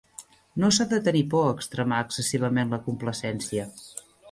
No s'ha de tenir por a extremar excessivament la complacència.